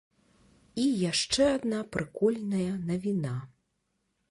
І яшчэ адна прыкольная навіна.